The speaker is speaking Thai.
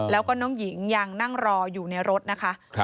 แล้วก็น้องหญิงยังนั่งรออยู่ในรถนะคะ